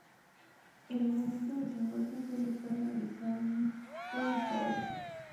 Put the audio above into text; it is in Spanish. En el momento de su muerte, sólo estaba realizado el caballo.